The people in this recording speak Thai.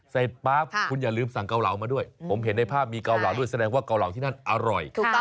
เสร็จปั๊บคุณอย่าลืมสั่งเกาเหลามาด้วยผมเห็นในภาพมีเกาเหลาด้วยแสดงว่าเกาเหลาที่นั่นอร่อย